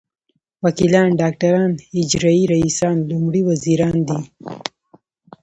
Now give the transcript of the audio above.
وکیلان ډاکټران اجرايي رییسان لومړي وزیران دي.